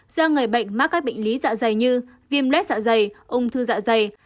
do người bệnh mắc các bệnh lý dạ dày như viêm lết dạ dày ung thư dạ dày